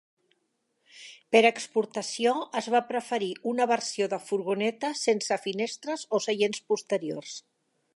Per a exportació, es va preferir una versió de furgoneta sense finestres o seients posteriors.